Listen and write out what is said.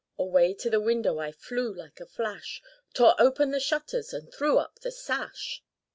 Away to the window I flew like a flash, Tore open the shutters, and threw up the sash.